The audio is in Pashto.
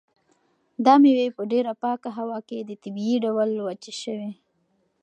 دا مېوې په ډېره پاکه هوا کې په طبیعي ډول وچې شوي.